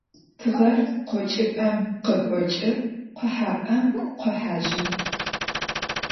Тыгъэр къокӀыпӀэм къыкъокӀы къохьапӀэм къохьажьы.